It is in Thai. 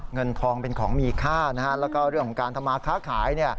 เงินทองเป็นของมีค่าแล้วก็เรื่องของการทำมาค้าขาย